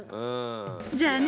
じゃあね